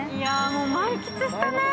もう満喫したね。